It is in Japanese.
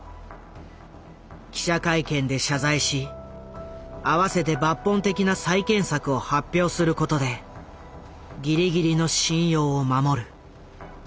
記者会見で謝罪し併せて抜本的な再建策を発表することでギリギリの信用を守る。